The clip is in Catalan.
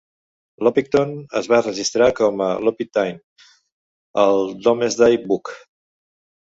Loppington es va registrar com a Lopitine al Domesday Book.